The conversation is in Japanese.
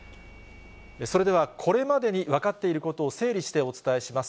それでは、これまでに分かっていることを整理してお伝えします。